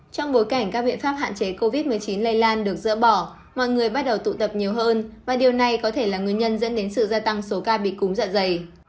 trong bối cảnh các biện pháp hạn chế covid một mươi chín lây lan được dỡ bỏ mọi người bắt đầu tụ tập nhiều hơn và điều này có thể là nguyên nhân dẫn đến sự gia tăng số ca bị cúng dạ dày